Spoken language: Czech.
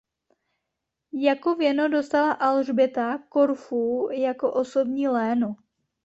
Jako věno dostala Alžběta Korfu jako osobní léno.